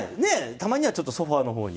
たまにはちょっとソファの方に。